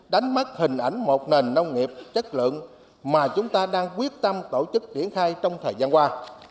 đánh mất hình ảnh một nền nông nghiệp chất lượng mà chúng ta đang quyết tâm tổ chức triển khai trong thời gian qua